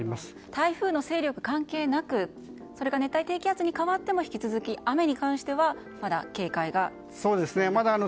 台風の勢力関係なくそれが熱帯低気圧に変わっても引き続き雨に関してはまだ警戒が必要だと。